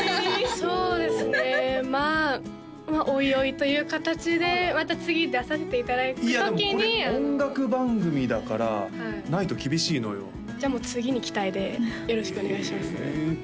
そうですねまあまあおいおいという形でまた次出させていただいたときにいやでもこれ音楽番組だからないと厳しいのよじゃあもう次に期待でよろしくお願いします